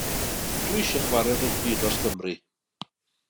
Dwi eisiau chwarae rygbi dros Gymru.